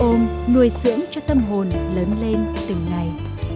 ôm nuôi sưỡng cho tâm hồn lớn lên từng ngày